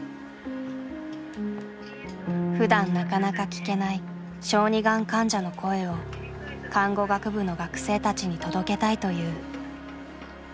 ふだんなかなか聞けない小児がん患者の声を看護学部の学生たちに届けたいという。